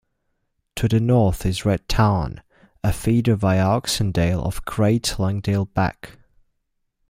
To the north is Red Tarn, a feeder via Oxendale of Great Langdale Beck.